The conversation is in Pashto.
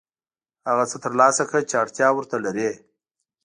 هغه څه ترلاسه کړه چې اړتیا ورته لرې.